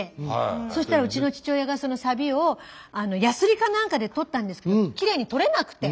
そしたらうちの父親がそのサビをやすりか何かで取ったんですけどきれいに取れなくて。